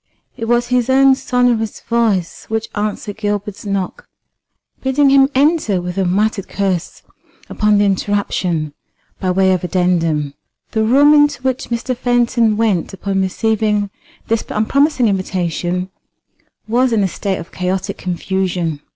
It was his own sonorous voice which answered Gilbert's knock, bidding him enter with a muttered curse upon the interruption by way of addendum. The room into which Mr. Fenton went upon receiving this unpromising invitation was in a state of chaotic confusion.